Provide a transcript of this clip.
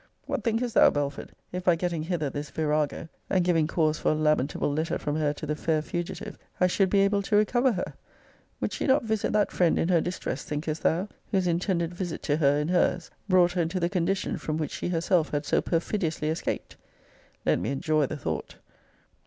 What thinkest thou, Belford, if, by getting hither this virago, and giving cause for a lamentable letter from her to the fair fugitive, I should be able to recover her? Would she not visit that friend in her distress, thinkest thou, whose intended visit to her in her's brought her into the condition from which she herself had so perfidiously escaped? Let me enjoy the thought!